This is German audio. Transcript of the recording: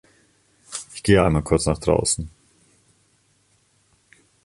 Ich gehe einmal kurz nach draußen.